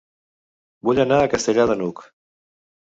Vull anar a Castellar de n'Hug